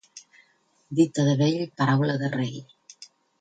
Dita de vell, paraula de rei.